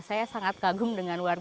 saya sangat kagum dengan jalan ini